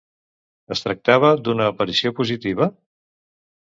Es tractava d'una aparició positiva?